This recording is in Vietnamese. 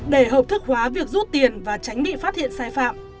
để hợp thức hóa việc rút tiền và tránh bị phát hiện sai phạm